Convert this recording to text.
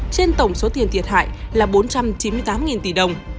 trên tổng số tiền thiệt hại là bốn trăm chín mươi tám tỷ đồng